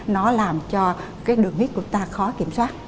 nó làm cho đường huyết chúng ta khó kiểm soát